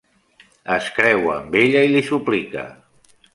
Es creua amb ella i li suplica.